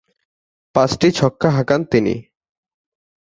পাঁচটি ছক্কা হাঁকান তিনি।